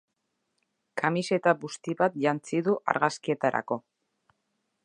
Kamiseta busti bat jantzi du argazkietarako.